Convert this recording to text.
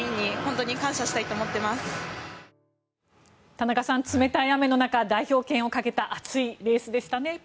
田中さん、冷たい雨の中代表権をかけた熱いレースでしたね。